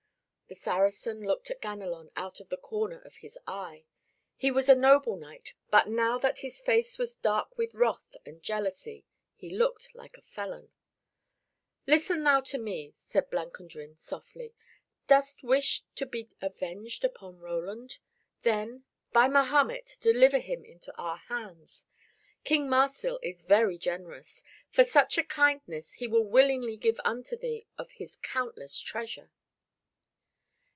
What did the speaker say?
The Saracen looked at Ganelon out of the corner of his eye. He was a noble knight, but now that his face was dark with wrath and jealousy, he looked like a felon. "Listen thou to me," said Blancandrin softly. "Dost wish to be avenged upon Roland? Then, by Mahomet! deliver him into our hands. King Marsil is very generous; for such a kindness he will willingly give unto thee of his countless treasure."